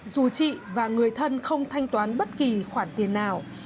dù chị và người thân không thanh toán bất kỳ khoản tiền nào